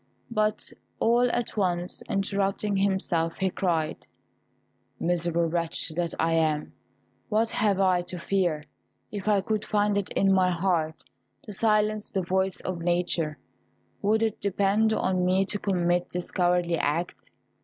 But all at once, interrupting himself, he cried, "Miserable wretch that I am, what have I to fear? If I could find it in my heart to silence the voice of nature, would it depend on me to commit this cowardly act?